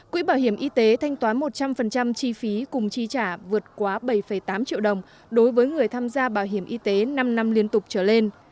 quỹ bảo hiểm y tế thanh toán một trăm linh chi phí cùng chi trả vượt quá bảy tám triệu đồng đối với người tham gia bảo hiểm y tế năm năm liên tục trở lên